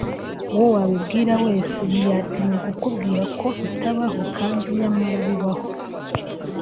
uwo wabibwira wese ntiyatinya kukubwira ko bitabaho kandi nyamara bibaho